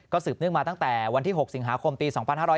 สืบเนื่องมาตั้งแต่วันที่๖สิงหาคมปี๒๕๕๙